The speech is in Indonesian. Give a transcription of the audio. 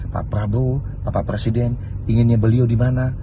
pak prabowo bapak presiden inginnya beliau di mana